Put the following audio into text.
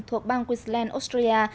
thuộc bang queensland austria